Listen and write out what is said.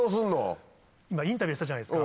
今インタビューしたじゃないですか。